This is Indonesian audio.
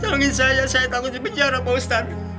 tolong saya saya takut dipenjara pak ustadz